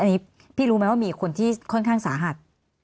อันนี้พี่รู้ไหมว่ามีคนที่ค่อนข้างสาหัส